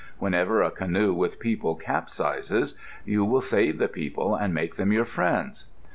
Whenever a canoe with people capsizes, you will save the people and make them your friends."